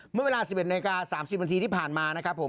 เมื่อเวลา๑๑นาฬิกา๓๐นาทีที่ผ่านมานะครับผม